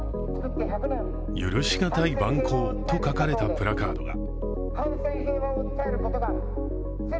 「許しがたい蛮行」と書かれたプラカードが。